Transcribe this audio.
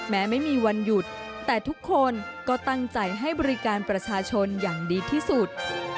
แม้ไม่มีวันหยุดแต่ทุกคนก็ตั้งใจให้บริการประชาชนอย่างดีที่สุด